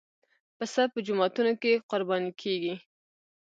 پسه په جوماتونو کې قرباني کېږي.